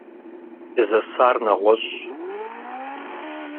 Дызэсар нэгъуэщӀщ.